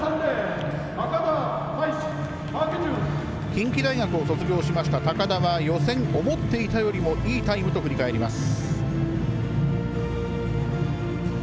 近畿大学を卒業しました高田は予選、思っていたよりもいいタイムと振り返ります。